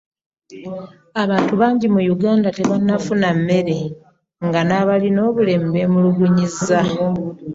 Abantu bangi mu Uganda tebannafuna mmere nga n'abalina obulemu beemulugunyizza.